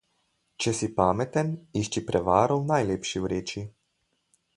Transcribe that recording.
Če si pameten, išči prevaro v najlepši vreči.